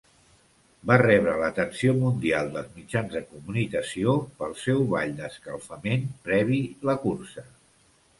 Va rebre l'atenció mundial dels mitjans de comunicació pel seu ball d'escalfament previ la cursa.